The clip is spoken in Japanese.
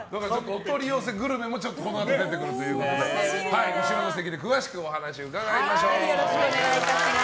お取り寄せグルメもこのあと出てくるということで後ろの席で詳しくお話伺いましょう。